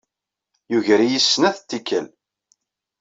Yugar-iyi s snat tikkal.